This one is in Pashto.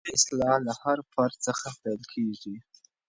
د ټولنې اصلاح له هر فرد څخه پیل کېږي.